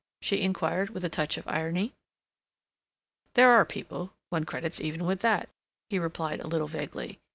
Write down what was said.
she inquired, with a touch of irony. "There are people one credits even with that," he replied a little vaguely.